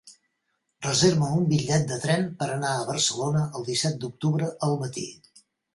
Reserva'm un bitllet de tren per anar a Barcelona el disset d'octubre al matí.